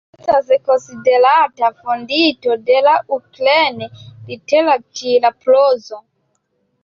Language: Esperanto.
Estas konsiderata fondinto de la ukraina literatura prozo.